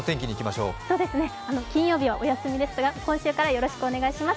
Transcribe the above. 金曜日はお休みですが、今週からお願いします。